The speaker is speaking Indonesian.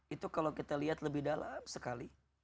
itu kalau kita lihat lebih dalam sekali